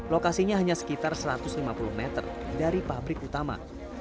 lokasinya hanya sekitar satu ratus lima puluh meter dari pabrik utama